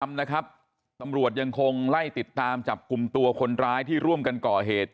นะครับตำรวจยังคงไล่ติดตามจับกลุ่มตัวคนร้ายที่ร่วมกันก่อเหตุ